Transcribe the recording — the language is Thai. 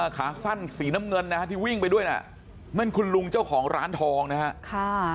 ขาสั้นสีน้ำเงินนะฮะที่วิ่งไปด้วยน่ะนั่นคุณลุงเจ้าของร้านทองนะฮะ